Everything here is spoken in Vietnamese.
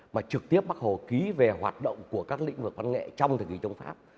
mà trực tiếp bác hồ ký về hoạt động của các lĩnh vực văn nghệ trong thời kỳ chống pháp